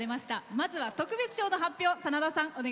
まずは特別賞の発表です。